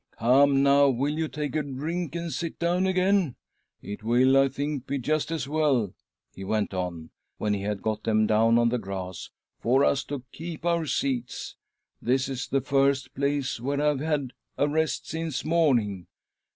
Come now, will you take a drink and sit down again ? It will, I think, be just as we'll," he went on, when he had got them down on the grass, " for us to keep our seats. This is the first place where I've had a rest since morning.